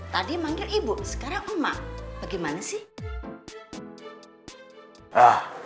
tadi manggil ibu sekarang oma bagaimana sih